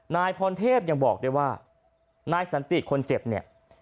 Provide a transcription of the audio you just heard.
นายพรเทพยังบอกด้วยว่านายสันติคนเจ็บเนี่ย